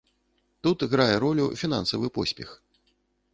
Тут грае ролю фінансавы поспех.